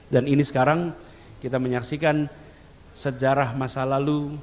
dan ini sekarang kita menyaksikan sejarah masa lalu